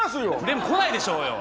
でもこないでしょうよ。